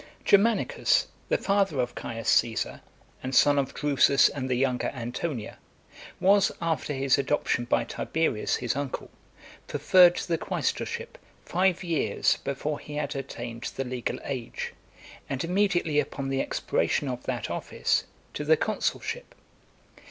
Germanicus, the father of Caius Caesar, and son of Drusus and the younger Antonia, was, after his adoption by Tiberius, his uncle, preferred to the quaestorship five years before he had attained the legal age, and immediately upon the expiration of that office, to the consulship .